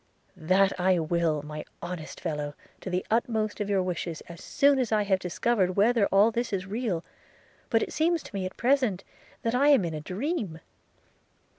'That I will, my honest fellow! to the utmost of your wishes, as soon as I have discovered whether all this is real; but it seems to me at present that I am in a dream.'